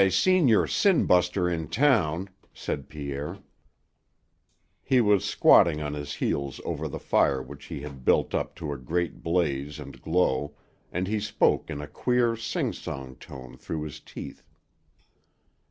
"I seen your sin buster in town," said Pierre. He was squatting on his heels over the fire which he had built up to a great blaze and glow and he spoke in a queer sing song tone through his teeth.